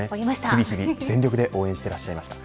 日に日に全力で応援していらっしゃいました。